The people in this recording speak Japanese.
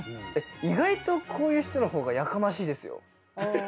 意外とこういう人の方がやかましいですよ。